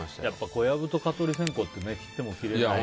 小籔と蚊取り線香って切っても切れないですからね。